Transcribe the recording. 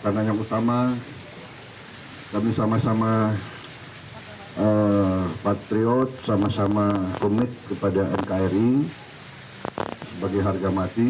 karena yang utama kami sama sama patriot sama sama komit kepada nkri sebagai harga mati